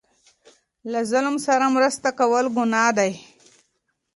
له ظالم سره مرسته کول ګناه ده.